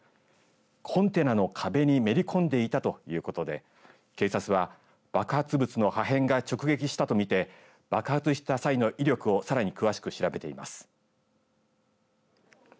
コンテナの壁にめり込んでいたということで警察は爆発物の破片が直撃したと見て爆発した際の威力をさらに詳しく調べています。